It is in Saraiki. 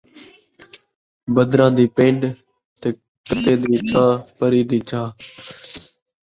بدراں دی پِن٘ڈ، تے کتیں دی چھا، پری دی چاہ